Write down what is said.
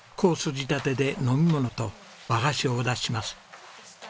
仕立てで飲み物と和菓子をお出しします。